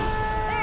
え？